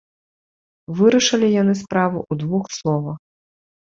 Вырашылі яны справу ў двух словах.